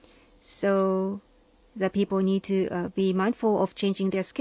そうですね。